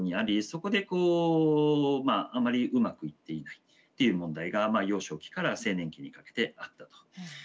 そこでこうあまりうまくいっていないっていう問題が幼少期から青年期にかけてあったと。